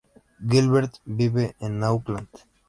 Gilbert vive en Auckland.